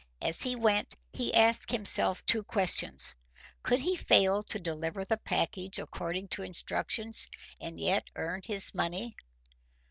As he went, he asked himself two questions: Could he fail to deliver the package according to instructions, and yet earn his money?